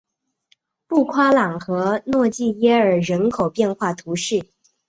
布夸朗和诺济耶尔人口变化图示